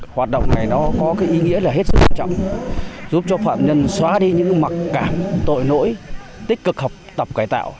hoạt động này nó có ý nghĩa là hết sức quan trọng giúp cho phạm nhân xóa đi những mặc cảm tội nỗi tích cực học tập cải tạo